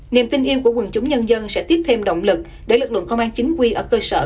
niềm tin yêu của quần chúng nhân dân sẽ tiếp thêm động lực để lực lượng công an chính quy ở cơ sở